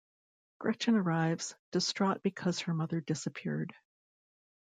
Gretchen arrives, distraught because her mother disappeared.